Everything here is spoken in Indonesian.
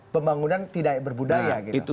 pembangunan tidak berbudaya gitu